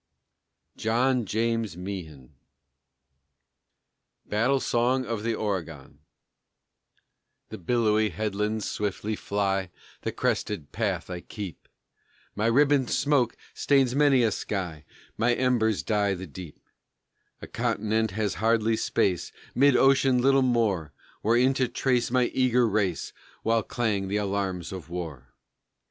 JOHN JAMES MEEHAN. BATTLE SONG OF THE OREGON The billowy headlands swiftly fly The crested path I keep, My ribboned smoke stains many a sky, My embers dye the deep; A continent has hardly space Mid ocean little more, Wherein to trace my eager race While clang the alarums of war.